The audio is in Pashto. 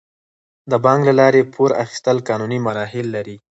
د بانک له لارې پور اخیستل قانوني مراحل لري.